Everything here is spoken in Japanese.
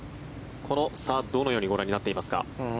この差、どのようにご覧になっていますか？